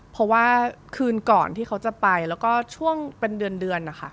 เพราะว่าคืนก่อนที่เขาจะไปแล้วก็ช่วงเป็นเดือนนะคะ